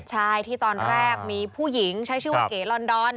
ใช่ที่ตอนแรกมีผู้หญิงใช้ชื่อว่าเก๋ลอนดอน